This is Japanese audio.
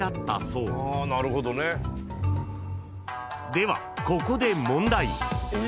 ではここで問題］